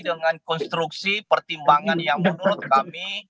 mengisi pertimbangan yang menurut kami